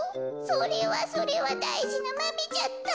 それはそれはだいじなマメじゃった。